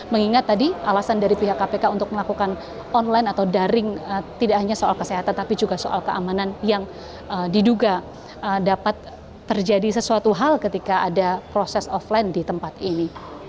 mengingat tadi alasan dari pihak kpk untuk melakukan online atau daring tidak hanya soal kesehatan tapi juga soal keamanan yang diduga dapat terjadi sesuatu hal ketika ada proses offline di tempat ini